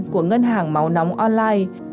của ngân hàng máu nóng online